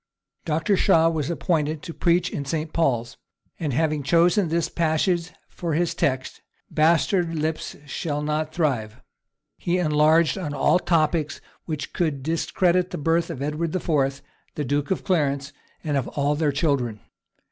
Dr. Shaw was appointed to preach in St. Paul's; and having chosen this passage for his text "Bastards lips shall not thrive," he enlarged on all the topics which could discredit the birth of Edward IV., the duke of Clarence, and of all their children.